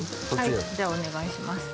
はいじゃあお願いします